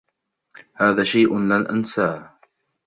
هذا شيء لن أنساه.